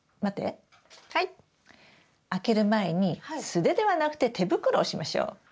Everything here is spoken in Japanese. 開ける前に素手ではなくて手袋をしましょう。